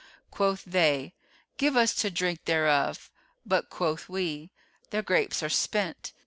Quoth they, 'Give us to drink thereof'; but quoth we, 'The grapes are spent.